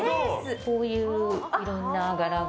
こういういろんな柄が。